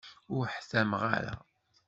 Ur ḥtammeɣ ara.